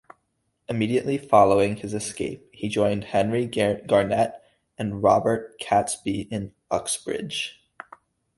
Immediately following his escape, he joined Henry Garnet and Robert Catesby in Uxbridge.